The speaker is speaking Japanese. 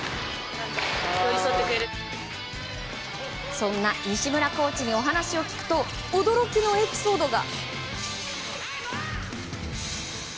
そんな西村コーチにお話を聞くと驚きのエピソードが。